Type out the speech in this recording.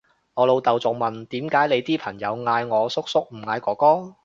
我老豆仲會問點解你啲朋友嗌我叔叔唔嗌哥哥？